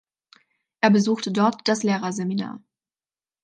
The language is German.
Er besuchte dort das Lehrerseminar.